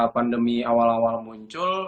pandemi awal awal muncul